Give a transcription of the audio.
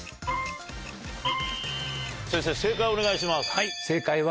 先生正解お願いします。